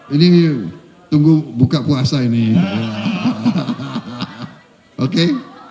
ini tunggu buka puasa ini oke